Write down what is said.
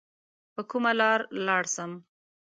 په کومه لار لاړ سم؟